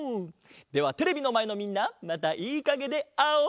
ではテレビのまえのみんなまたいいかげであおう！